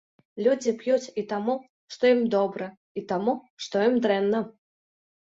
Людзі п'юць і таму, што ім добра, і таму, што ім дрэнна.